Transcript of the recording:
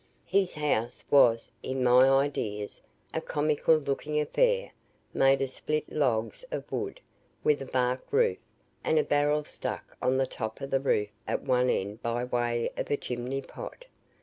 His house was, in my ideas, a comical looking affair made of split logs of wood, with a bark roof, and a barrel stuck on the top of the roof at one end by way of a chimney pot.